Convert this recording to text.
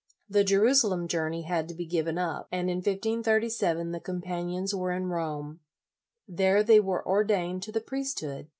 The Jerusalem journey had to be given up, and in 1537 the companions were in Rome. There they were ordained to the priesthood.